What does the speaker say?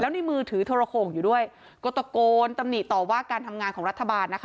ในมือถือโทรโข่งอยู่ด้วยก็ตะโกนตำหนิต่อว่าการทำงานของรัฐบาลนะคะ